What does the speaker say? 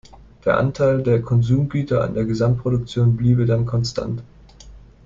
Der Anteil der Konsumgüter an der Gesamtproduktion bliebe dann konstant.